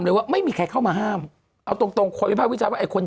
เลยว่าไม่มีใครเข้ามาห้ามเอาตรงความวิจัยว่าไอ้คน